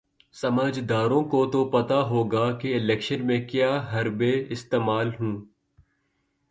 سمجھداروں کو تو پتا ہوگا کہ الیکشن میں کیا حربے استعمال ہوں۔